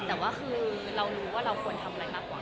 แต่ว่าคือเรารู้ว่าเราควรทำอะไรมากกว่า